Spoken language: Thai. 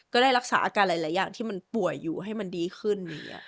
ก็ได้รักษาอาการหลายอย่างที่มันป่วยอยู่ให้มันดีขึ้น